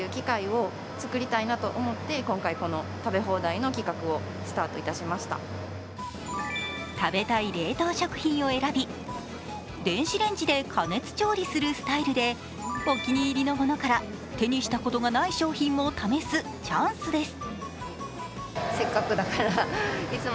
しかも、小学生以下は無料なんです食べたい冷凍食品を選び電子レンジで加熱調理するスタイルでお気に入りのものから手にしたことがない商品も試すチャンスです。